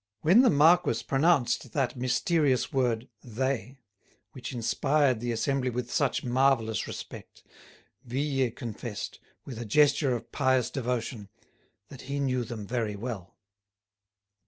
When the marquis pronounced that mysterious word "they," which inspired the assembly with such marvellous respect, Vuillet confessed, with a gesture of pious devotion, that he knew them very well.